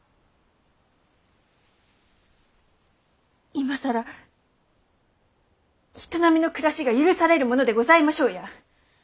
今更人並みの暮らしが許されるものでございましょうや。